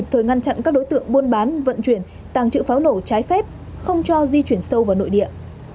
thời ngăn chặn các đối tượng buôn bán vận chuyển tàng trữ pháo nổ trái phép không cho di chuyển sâu vào nội địa